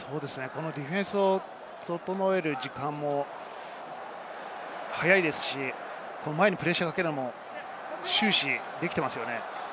ディフェンスを整える時間も早いですし、前にプレッシャーをかけるのも終始できていますよね。